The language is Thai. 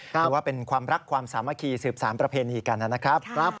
ถือว่าเป็นความรักความสามัคคีสืบสารประเพณีกันนะครับ